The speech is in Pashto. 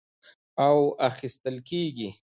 او اخىستل کېږي،